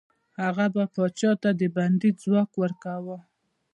هغه به پادشاه ته د بندي ځواب ورکاوه.